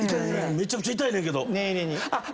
めちゃくちゃ痛いけど。